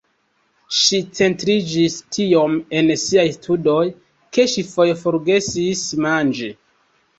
Ŝi centriĝis tiom en siaj studoj ke ŝi foje forgesis manĝi.